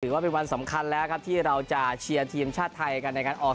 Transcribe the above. ว่าเป็นวันสำคัญแล้วครับที่เราจะเชียร์ทีมชาติไทยกันในการออก